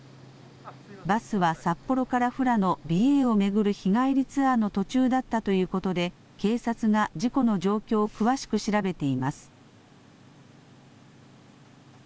バスは札幌から富良野・美瑛を巡る日帰りツアーの途中だったということで、警察が事故の状況を詳しく調べています。